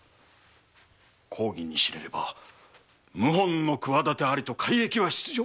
公儀に知れれば謀反の企てありと改易は必定！